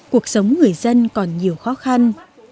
cuộc sống người dân còn nhiều khó khăn